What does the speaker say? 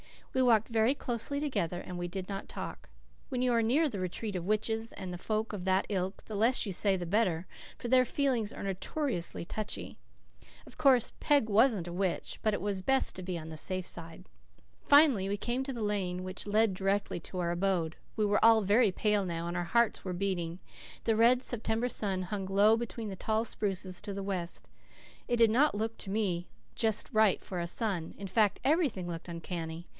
We walked very closely together, and we did not talk. When you are near the retreat of witches and folk of that ilk the less you say the better, for their feelings are so notoriously touchy. Of course, Peg wasn't a witch, but it was best to be on the safe side. Finally we came to the lane which led directly to her abode. We were all very pale now, and our hearts were beating. The red September sun hung low between the tall spruces to the west. It did not look to me just right for a sun. In fact, everything looked uncanny.